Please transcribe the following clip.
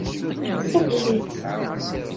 Sellek-itt.